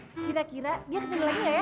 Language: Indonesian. mas kira kira dia kecil lagi gak ya